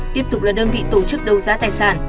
tiếp tục là đơn vị tổ chức đấu giá tài sản